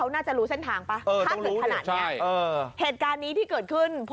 มันกลับมาที่สุดท้ายแล้วมันกลับมาที่สุดท้ายแล้ว